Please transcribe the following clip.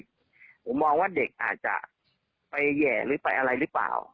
ผมมองว่าเด็กอาจจะไปแห่หรือไปอะไรหรือเปล่า